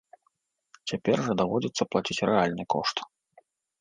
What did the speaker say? Цяпер жа даводзіцца плаціць рэальны кошт.